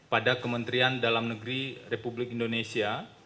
pada kementerian dalam negeri republik indonesia